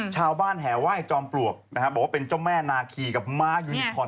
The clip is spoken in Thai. ชาวบ้านแหว่ว่ายจอมปลวกบอกว่าเป็นเจ้าแม่นาคีกับม้ายูนิคอน